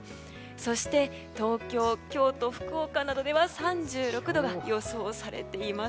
そして東京、京都、福岡などでは３６度が予想されています。